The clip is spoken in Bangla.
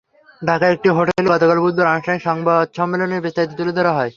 ঢাকার একটি হোটেলে গতকাল বুধবার আনুষ্ঠানিক সংবাদ সম্মেলনে বিস্তারিত তুলে ধরা হয়।